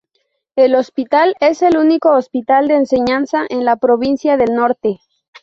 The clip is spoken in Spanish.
El hospital es el único hospital de enseñanza en la Provincia del Norte.